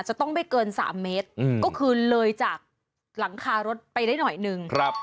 จะต้องไม่เกิน๓เมตรก็คือเลยจากหลังคารถไปได้หน่อยนึง